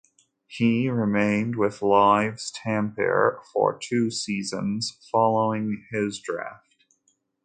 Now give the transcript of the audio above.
He remained with Ilves Tampere for two seasons following his draft.